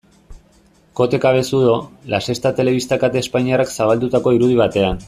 Kote Cabezudo, La Sexta telebista kate espainiarrak zabaldutako irudi batean.